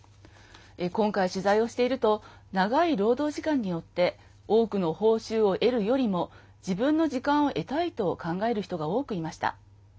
今回、取材をしていると長い労働時間によって多くの報酬を得るよりも自分の時間を得たいと考える人が多くいました。